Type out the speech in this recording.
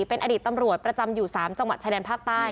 เป็นอดีตตำรวจประจำอยู่๓จังหวัดชายแดนภาคใต้